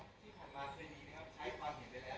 มีผ่านมาเช่นดีนะครับ